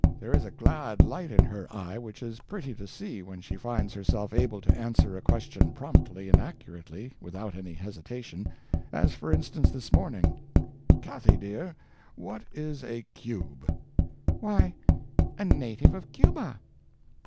There is a glad light in her eye which is pretty to see when she finds herself able to answer a question promptly and accurately, without any hesitation; as, for instance, this morning: "Cathy dear, what is a cube?" "Why, a native of Cuba."